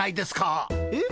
えっ？